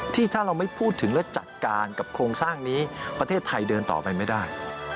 ที่เราไม่พูดถึงและจัดการกับโครงสร้างนี้ประเทศไทยเดินต่อไปไม่ได้